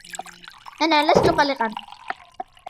أنا لست قلقاً.